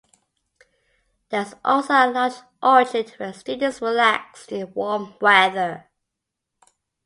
There is also a large orchard, where students relax in warm weather.